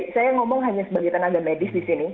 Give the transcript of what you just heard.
saya ngomong hanya sebagai tenaga medis di sini